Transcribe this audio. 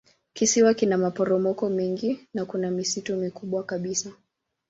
Kisiwa kina maporomoko mengi na kuna misitu mikubwa kabisa.